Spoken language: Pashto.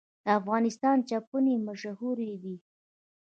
د افغانستان چپنې مشهورې دي